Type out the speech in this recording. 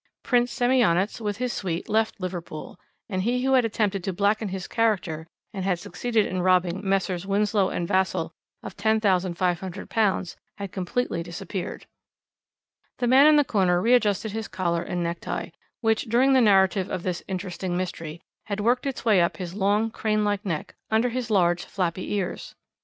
"Prince Semionicz, with his suite, left Liverpool, and he who had attempted to blacken his character, and had succeeded in robbing Messrs. Winslow and Vassall of £10,500, had completely disappeared." The man in the corner readjusted his collar and necktie, which, during the narrative of this interesting mystery, had worked its way up his long, crane like neck under his large flappy ears.